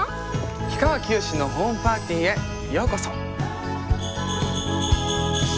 氷川きよしのホームパーティーへようこそ！